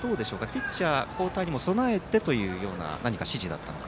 ピッチャー交代にも備えてという何か指示だったのか。